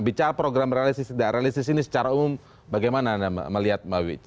bicara program realistis tidak realistis ini secara umum bagaimana anda melihat mbak wich